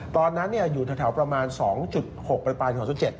ตอนนั้นอยู่แถวประมาณ๒๖ประมาณ๒๗